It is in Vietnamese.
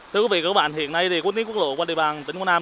thưa quý vị và các bạn hiện nay quốc tế quốc lộ qua địa bàn tỉnh quảng nam